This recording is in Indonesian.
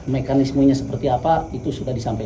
mekanismenya seperti apa itu sudah disampaikan